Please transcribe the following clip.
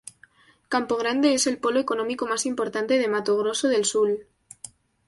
Campo Grande es el polo económico más importante de Mato Grosso del Sul.